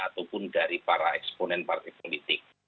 ataupun dari para eksponen partai politik